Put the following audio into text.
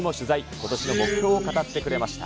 ことしの目標を語ってくれました。